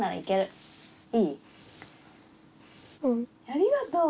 ありがとう！